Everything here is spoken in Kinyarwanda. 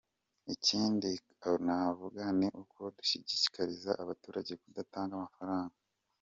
Ikindi navuga ni uko dushishikariza abaturage kudatanga amafaranga.